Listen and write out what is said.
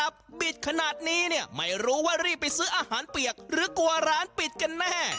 บิดขนาดนี้เนี่ยไม่รู้ว่ารีบไปซื้ออาหารเปียกหรือกลัวร้านปิดกันแน่